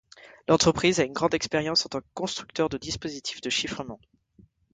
L'entreprise a une grande expérience en tant que constructeur de dispositifs de chiffrement.